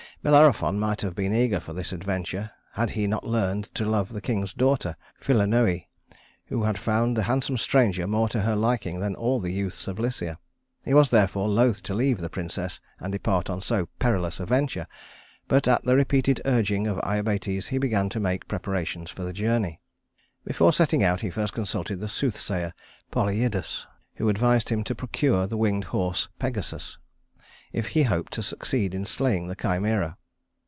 Bellerophon might have been eager for this adventure, had he not learned to love the king's daughter Philonoë, who had found the handsome stranger more to her liking than all the youths of Lycia. He was, therefore, loath to leave the princess and depart on so perilous a venture; but at the repeated urging of Iobates, he began to make preparations for the journey. Before setting out he first consulted the soothsayer Polyidus, who advised him to procure the winged horse Pegasus if he hoped to succeed in slaying the Chimæra.